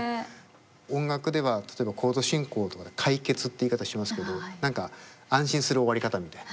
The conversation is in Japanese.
音楽では例えばコード進行とかで解決って言い方しますけど何か安心する終わり方みたいな。